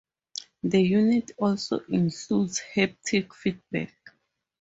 The unit also includes haptic feedback.